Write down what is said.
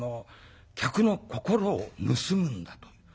客の心を盗むんだと。